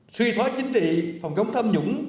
suy thoái chính trị phòng chống tham nhũng